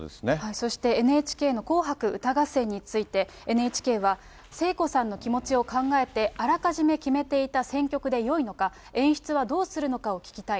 そしてＮＨＫの紅白歌合戦について、ＮＨＫは聖子さんの気持ちを考えて、あらかじめ決めていた選曲でよいのか、演出はどうするのかを聞きたい。